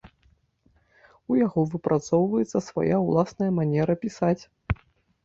У яго выпрацоўваецца свая ўласная манера пісаць.